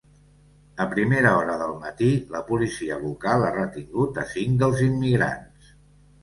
A primera hora del matí, la policia local ha retingut a cinc dels immigrants.